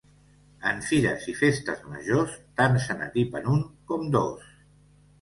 En fires i festes majors tant se n'atipen un com dos.